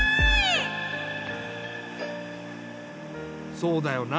そうだよな。